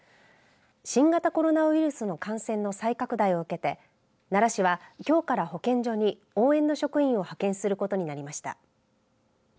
新型コロナウイルスの感染の再拡大を受けて奈良市は、きょうから保健所に応援の職員を派遣することになりました。